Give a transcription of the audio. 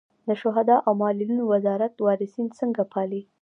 د شهدا او معلولینو وزارت وارثین څنګه پالي؟